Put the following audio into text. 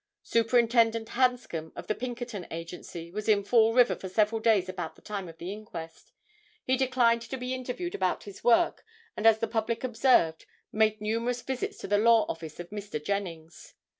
Superintendent Hanscom of the Pinkerton Agency, was in Fall River for several days about the time of the inquest. He declined to be interviewed about his work and as the public observed, made numerous visits to the law office of Mr. Jennings.